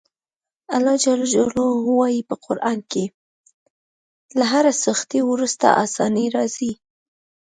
الله ج وایي په قران کې له هرې سختي وروسته اساني راځي.